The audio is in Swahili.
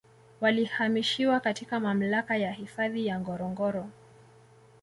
Walihamishiwa katika Mamlaka ya hifadhi ya Ngorongoro